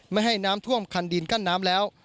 ไม่ให้น้ำท่วมคันดินกั้นน้ำแล้ว